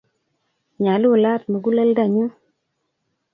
Nyalulat muguleldanyu;